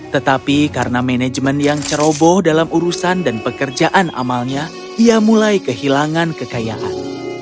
tetapi karena manajemen yang ceroboh dalam urusan dan pekerjaan amalnya ia mulai kehilangan kekayaan